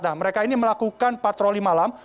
nah mereka ini melakukan patroli malam